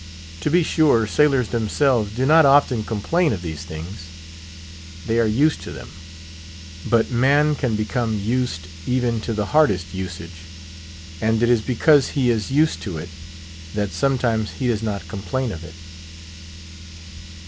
To be sure, sailors themselves do not often complain of these things; they are used to them; but man can become used even to the hardest usage. And it is because he is used to it, that sometimes he does not complain of it.